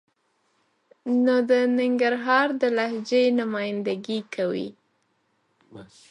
نو د ننګرهار د لهجې نماینده ګي کوي.